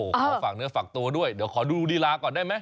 ขอฝากเนื้อฝากตัวด้วยเดี๋ยวขอดูลีลาก่อนได้ไหม